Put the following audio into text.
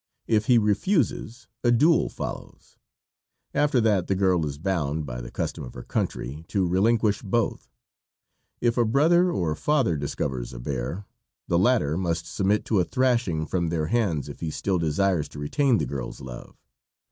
If he refuses a duel follows. After that the girl is bound, by the custom of her country, to relinquish both. If a brother or father discovers a "bear," the latter must submit to a thrashing from their hands if he still desires to retain the girl's love.